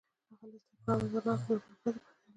هغه له زدهکړو او اغېزناکو ملګرو پرته بريالی شو.